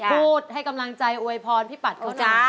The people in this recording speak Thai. พูดให้กำลังใจอวยพรพี่ปัดเขาจ้า